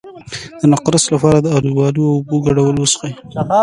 د نقرس لپاره د الوبالو او اوبو ګډول وڅښئ